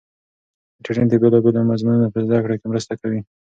انټرنیټ د بېلابېلو مضمونو په زده کړه کې مرسته کوي.